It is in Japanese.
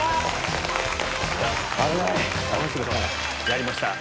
やりました。